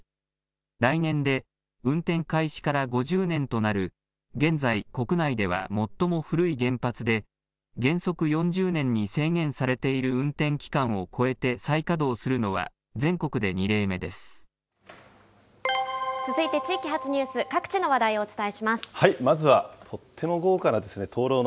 来年で運転開始から５０年となる現在、国内では最も古い原発で、原則４０年に制限されている運転期間を超えて再稼働するのは全国続いて地域発ニュース、各地まずはとっても豪華な灯籠の